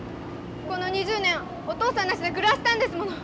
この２０年お父さんなしで暮らしたんですもの。